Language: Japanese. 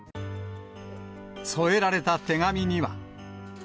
添えられた手紙には。